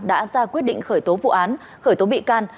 đã ra quyết định khởi tố vụ án khởi tố bị can